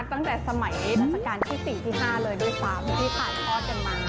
ตั้งแต่สมัยรัชกาลที่๔ที่๕เลยด้วยซ้ำที่ถ่ายทอดกันมา